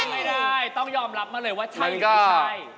ไม่ได้ต้องยอมรับมาเลยว่าใช่หรือไม่ใช่